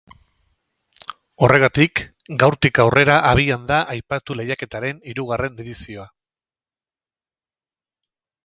Horregatik, gaurtik aurrera abian da aipatu lehiaketaren hirugarren edizioa.